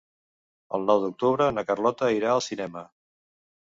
El nou d'octubre na Carlota irà al cinema.